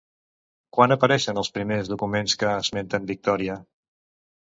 Quan apareixen els primers documents que esmenten Victòria?